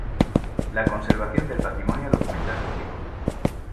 La "conservación del patrimonio documental público".